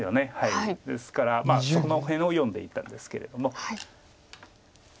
ですからそこの辺を読んでいたんですけれども。